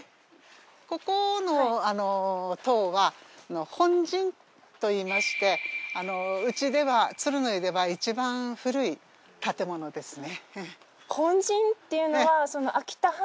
ここの湯は本陣といいましてうちでは鶴の湯ではいちばん古い建物ですね。